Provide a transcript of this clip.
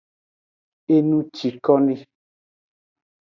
Enucikoni.